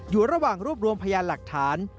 อยู่ระหว่างรวบรวมพยานหลักฐาน